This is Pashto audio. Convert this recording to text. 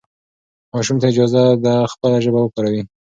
ماشوم ته اجازه ده خپله ژبه وکاروي.